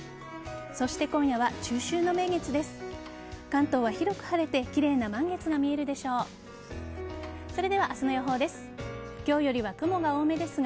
そして今夜は中秋の名月です。